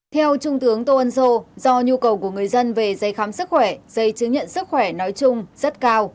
theo trung tướng tô ân sô do nhu cầu của người dân về giấy khám sức khỏe giấy chứng nhận sức khỏe nói chung rất cao